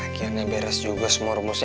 akhirnya beres juga semua rumusnya